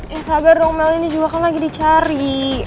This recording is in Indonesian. ya sabar dong mel ini juga kan lagi dicari